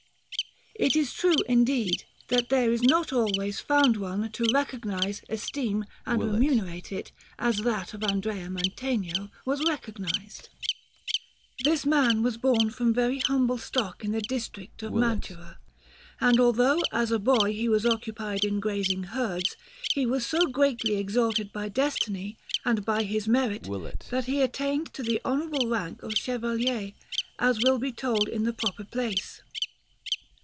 It is true, indeed, that there is not always found one to recognize, esteem, and remunerate it as that of Andrea Mantegna was recognized. This man was born from very humble stock in the district of Mantua; and, although as a boy he was occupied in grazing herds, he was so greatly exalted by destiny and by his merit that he attained to the honourable rank of Chevalier, as will be told in the proper place.